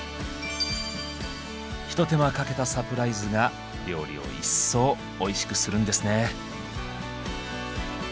ひと手間かけたサプライズが料理を一層おいしくするんですね。